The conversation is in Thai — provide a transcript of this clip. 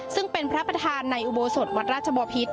ซึ่งเป็นพระประธานในอุโบสถวัดราชบอพิษ